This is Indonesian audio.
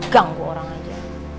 ganggu orang aja